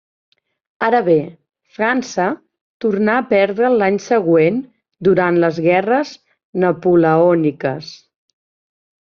Ara bé, França tornà a perdre'l l'any següent durant les guerres napoleòniques.